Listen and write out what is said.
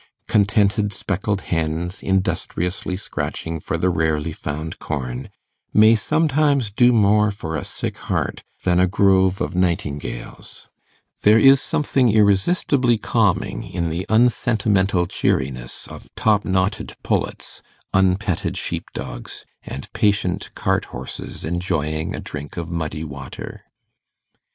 Contented speckled hens, industriously scratching for the rarely found corn, may sometimes do more for a sick heart than a grove of nightingales; there is something irresistibly calming in the unsentimental cheeriness of top knotted pullets, unpetted sheep dogs, and patient cart horses enjoying a drink of muddy water.